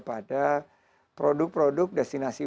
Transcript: pendekatan kita akan menggunakan